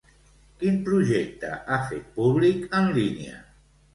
Quin projecte ha fet públic en línia?